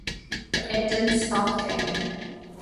But, it didn't stop there.